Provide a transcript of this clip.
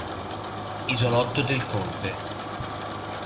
Isolotto del Conte